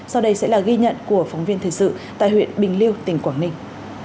sau đây sẽ là ghi nhận của phóng viên thời sự tại huyện bình liêu tỉnh quảng ninh